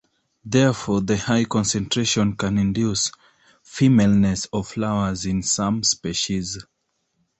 Therefore, the high concentration can induce femaleness of flowers in some species.